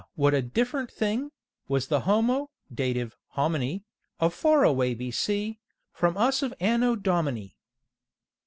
what a diff'rent thing Was the homo (dative, hominy) Of far away B. C. From us of Anno Domini.